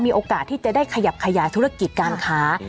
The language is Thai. มีโอกาสที่จะได้ขยับขยายธุรกิจการค้า